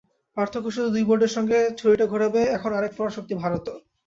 পার্থক্য শুধু, দুই বোর্ডের সঙ্গে ছড়িটা ঘোরাবে এখন আরেক পরাশক্তি ভারতও।